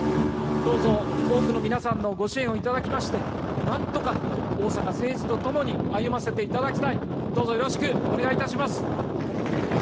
どうぞ、多くの皆さんのご支援を頂きまして、なんとか逢坂誠二と共に歩ませていただきたい。